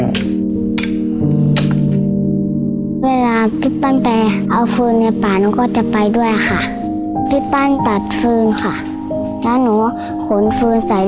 ลองกันถามอีกหลายเด้อ